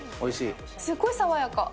すっごい爽やか。